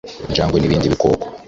injangwe n’ibindi bikoko,